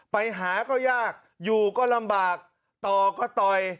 ไปหาก็ยากอยู่ก็ลำบากต่อก็ต่อย